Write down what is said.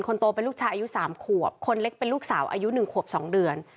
คนโตเป็นลูกชายอายุสามขวบคนเล็กเป็นลูกสาวอายุหนึ่งขวบสองเดือน